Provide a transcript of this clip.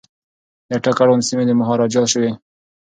د اټک اړوند سیمي د مهاراجا شوې.